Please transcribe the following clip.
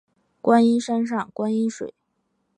观音山上观山水